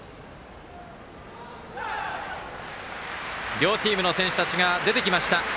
両チームの選手たちが出てきました。